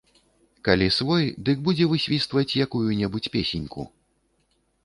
Калі свой, дык будзе высвістваць якую-небудзь песеньку.